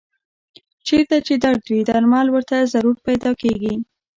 چېرته چې درد وي درمل ورته ضرور پیدا کېږي.